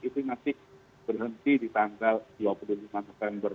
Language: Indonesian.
itu masih berhenti di tanggal dua puluh lima november dua ribu dua puluh empat